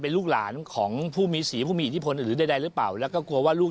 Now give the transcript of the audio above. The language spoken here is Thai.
เป็นลูกหลานของผู้มีสีผู้มีอินนิผนหรือใดหรือเปล่า